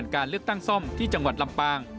การเลือกตั้งซ่อมที่จังหวัดลำปาง